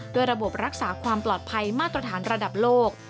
ระบบรักษาความปลอดภัยมาตรฐานระดับโลก